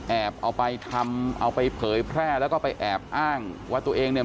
เอาไปทำเอาไปเผยแพร่แล้วก็ไปแอบอ้างว่าตัวเองเนี่ย